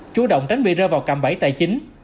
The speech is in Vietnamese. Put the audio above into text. chú động tránh bị rơ vào cạm bẫy tài chính